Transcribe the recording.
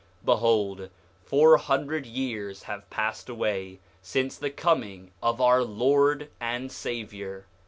8:6 Behold, four hundred years have passed away since the coming of our Lord and Savior.